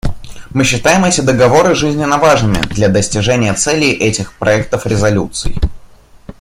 Мы считаем эти договоры жизненно важными для достижения целей этих проектов резолюций.